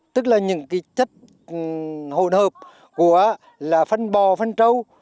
tức là những chất hồn hợp của phân bò phân trâu